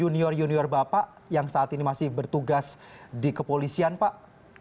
junior junior bapak yang saat ini masih bertugas di kepolisian pak